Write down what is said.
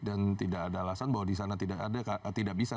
dan tidak ada alasan bahwa di sana tidak bisa